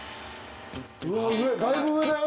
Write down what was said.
うわだいぶ上だよ